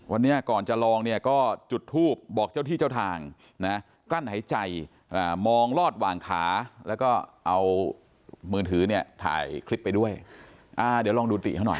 วันนี้ก่อนจะลองเนี่ยก็จุดทูบบอกเจ้าที่เจ้าทางนะกลั้นหายใจมองลอดหว่างขาแล้วก็เอามือถือเนี่ยถ่ายคลิปไปด้วยเดี๋ยวลองดูติเขาหน่อย